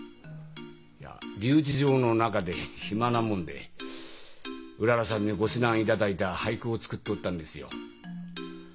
いや留置場の中で暇なもんでうららさんにご指南いただいた俳句を作っておったんですよ。